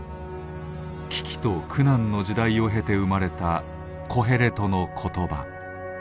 危機と苦難の時代を経て生まれた「コヘレトの言葉」。